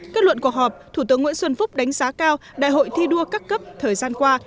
kết luận cuộc họp thủ tướng nguyễn xuân phúc đánh giá cao đại hội thi đua các cấp thời gian qua